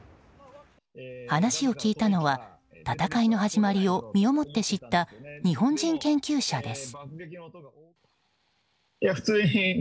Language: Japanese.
話を聞いたのは戦いの始まりを身をもって知った日本人研究者です。